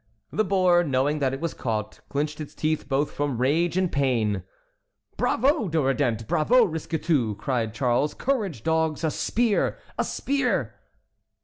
The boar, knowing that it was caught, clinched its teeth both from rage and pain. "Bravo, Duredent! Bravo, Risquetout!" cried Charles. "Courage, dogs! A spear! a spear!"